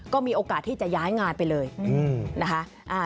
ก็มีโอกาสที่จะย้ายงานไปเลยนะคะ